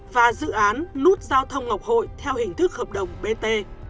và dự án nút giao thông ngọc hội theo hình thức hợp đồng bt